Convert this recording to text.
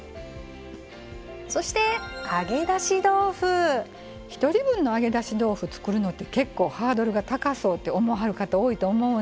そして１人分の揚げだし豆腐作るのって結構ハードルが高そうって思わはる方多いと思うんです。